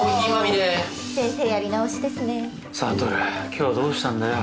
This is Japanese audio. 今日どうしたんだよ。